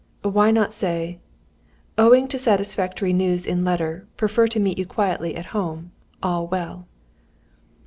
"Why not say: _Owing to satisfactory news in letter, prefer to meet you quietly at home. All well.